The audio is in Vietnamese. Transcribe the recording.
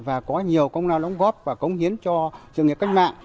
và có nhiều công lao đóng góp và cống hiến cho sự nghiệp cách mạng